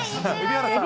蛯原さん。